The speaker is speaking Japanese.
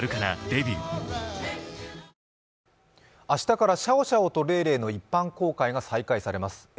明日からシャオシャオとレイレイの一般公開が再開されます。